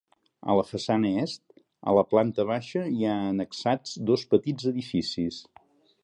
A la façana est, a la planta baixa hi ha annexats dos petits edificis.